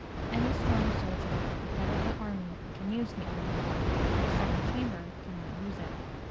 Any strong soldier at the head of the army can use the army. But a second chamber cannot use it.